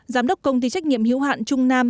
giám đốc công ty trách nhiệm hiếu hạn trung nam